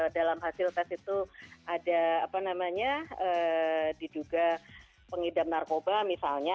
dalam hasil tes itu ada apa namanya diduga pengidam narkoba misalnya